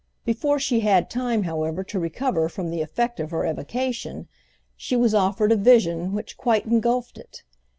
Before she had time, however, to recover from the effect of her evocation, she was offered a vision which quite engulfed it.